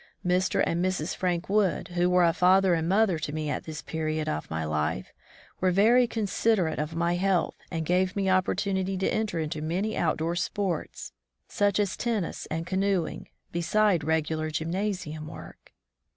Mr. and Mrs. Frank Wood, who were a father and mother to me at this period of my life, were very considerate of my health and gave me opportunity to enter into many outdoor sports, such as tennis and canoeing^ beside regular gymnasium work.